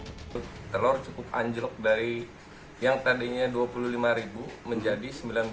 telur cukup anjlok dari yang tadinya dua puluh lima menjadi sembilan belas